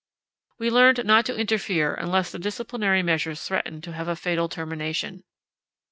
We learned not to interfere unless the disciplinary measures threatened to have a fatal termination.